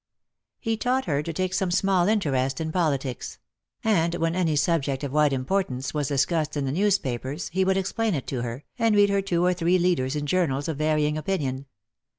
He taught her to take some small interest in politics ; and when any subject of wide importance was discussed in the newspapers, he would explain it to her, and read her two or three leaders in journals of varying opinion.